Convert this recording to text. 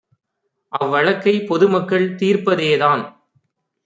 அவ்வழக்கைப் பொதுமக்கள் தீர்ப்ப தேதான்